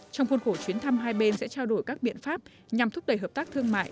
trong khuôn khổ chuyến thăm hai bên sẽ trao đổi các biện pháp nhằm thúc đẩy hợp tác thương mại